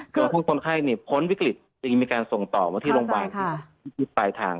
ส่วนหุ้นคนไข้พ้นวิกฤตจึงมีการส่งต่อมาที่โรงพยาบาลปลายทาง